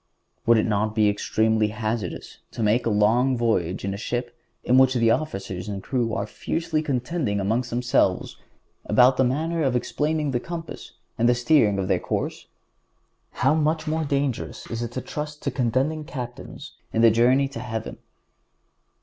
Would it not be extremely hazardous to make a long voyage in a ship in which the officers and crew are fiercely contending among themselves about the manner of explaining the compass and of steering their course? How much more dangerous is it to trust to contending captains in the journey to heaven!